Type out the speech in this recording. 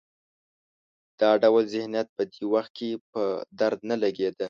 دا ډول ذهنیت په دې وخت کې په درد نه لګېده.